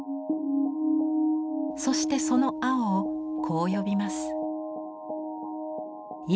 そしてその青をこう呼びます。